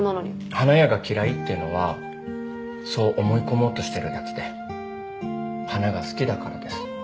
花屋が嫌いっていうのはそう思い込もうとしてるやつで花が好きだからです。